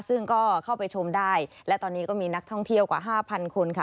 ซึ่งก็เข้าไปชมได้และตอนนี้ก็มีนักท่องเที่ยวกว่าห้าพันคนค่ะ